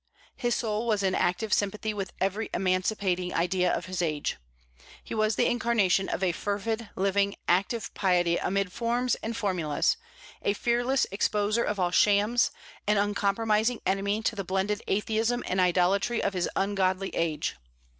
His soul was in active sympathy with every emancipating idea of his age. He was the incarnation of a fervid, living, active piety amid forms and formulas, a fearless exposer of all shams, an uncompromising enemy to the blended atheism and idolatry of his ungodly age.